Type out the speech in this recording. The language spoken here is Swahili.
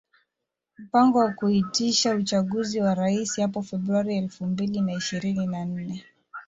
mpango wa kuitisha uchaguzi wa raisi hapo Februari elfu mbili na ishirini na nne